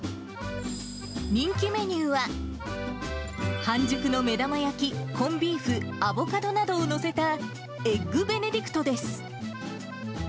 人気メニューは、半熟の目玉焼き、コンビーフ、アボカドなどを載せたエッグベネディクトです。